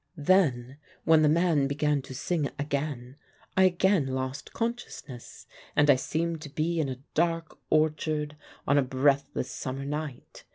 Then when the man began to sing again, I again lost consciousness, and I seemed to be in a dark orchard on a breathless summer night.